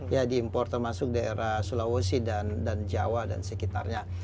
ya diimpor termasuk daerah sulawesi dan jawa dan sekitarnya